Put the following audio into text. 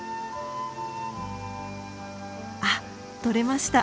あっ取れました。